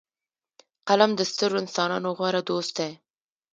قلم د سترو انسانانو غوره دوست دی